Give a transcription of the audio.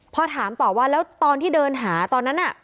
พอถามต่อว่าแล้วตอนที่เดินหาตอนนั้นน่ะ